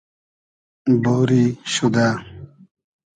بۉری شودۂ